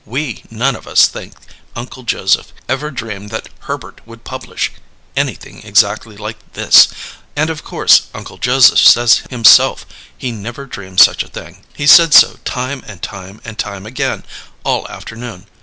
We none of us think Uncle Joseph ever dreamed that Herbert would publish, anything exactly like this, and of course Uncle Joseph says himself he never dreamed such a thing; he's said so time and time and time again, all afternoon.